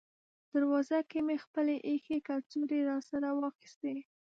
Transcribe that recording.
دروازه کې مو خپلې اېښې کڅوړې راسره واخیستې.